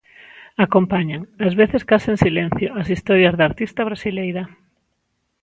Acompañan, ás veces case en silencio, as historias da artista brasileira.